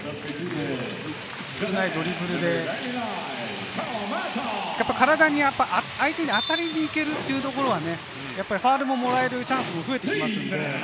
少ないドリブルで体で相手に当たりに行けるというのは、ファウルももらえるチャンスも増えてきますんで。